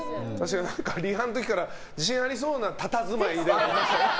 リハの時から自信ありそうなたたずまいではありました。